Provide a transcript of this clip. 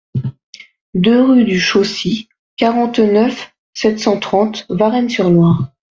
deux rue du Chaussy, quarante-neuf, sept cent trente, Varennes-sur-Loire